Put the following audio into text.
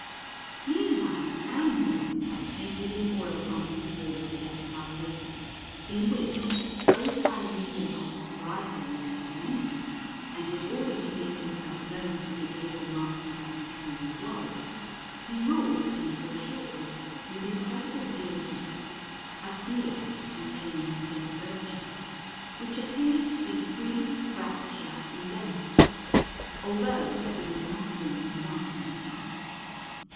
[Illustration: ANDREA DAL CASTAGNO: DANTE (Florence: S. Apollonia. Fresco)] Meanwhile Andrea had painted in oil on his wall the Death of Our Lady, in which, both by reason of his rivalry with Domenico and in order to make himself known for the able master that he truly was, he wrought in foreshortening, with incredible diligence, a bier containing the dead Virgin, which appears to be three braccia in length, although it is not more than one and a half.